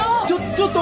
ちょっと。